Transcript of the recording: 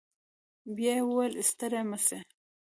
بيا يې وويل ستړي مه سئ.